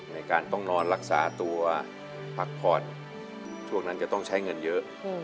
ในการต้องนอนรักษาตัวพักผ่อนช่วงนั้นจะต้องใช้เงินเยอะ